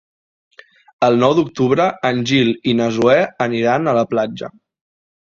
El nou d'octubre en Gil i na Zoè aniran a la platja.